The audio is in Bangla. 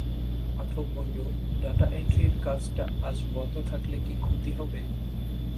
পাঠক বলল, ডাটা এন্ট্রির কাজটা আজ বন্ধ থাকলে কি ক্ষতি হবে?